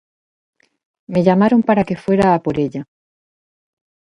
Me llamaron para que fuera a por ella.